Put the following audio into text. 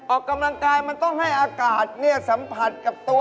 ออกกำลังกายมันต้องให้อากาศสัมผัสกับตัว